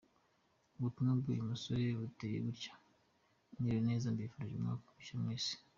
Ubutumwa bw'uyu musore buteye gutya:"Mwiriwe neza mbifurije umwaka mushya mwese.